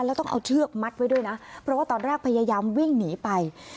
แล้วต้องเอาเชือกมัดไว้ด้วยนะเพราะว่าตอนแรกพยายามวิ่งหนีไป